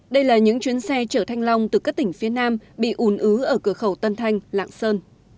đây là những chuyến xe chở thanh long từ các tỉnh phía nam bị ùn ứ ở cửa khẩu tân thanh lạng sơn